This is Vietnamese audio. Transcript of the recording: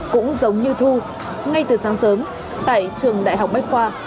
cũng giống như thu ngay từ sáng sớm tại trường đại học bách khoa